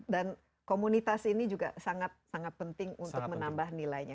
dan komunitas ini juga sangat penting untuk menambah nilainya